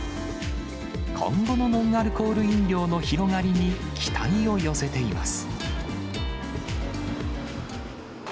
今後のノンアルコール飲料の広がりに期待を寄せています。